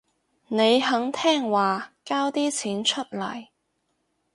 你肯聽話交啲錢出嚟